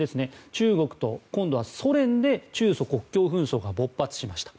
中国と、今度はソ連で中ソ国境紛争が勃発しました。